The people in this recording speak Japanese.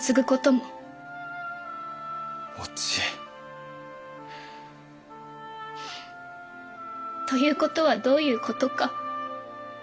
おちえ。ということはどういうことか。